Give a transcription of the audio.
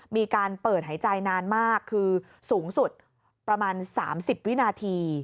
มีการเปิดหายใจนานมากคือสูงสุดประมาณ๓๐วินาที